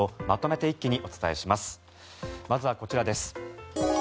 まずは、こちらです。